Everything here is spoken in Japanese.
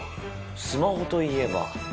スマホといえば。